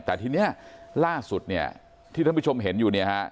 แต่ทีนี้ล่าสุดเนี่ยที่ท่านผู้ชมเห็นอยู่เนี่ยฮะ